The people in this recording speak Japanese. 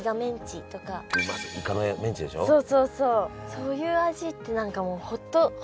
そういう味って何かもうほっとする。